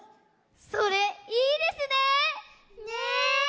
それいいですね。ね。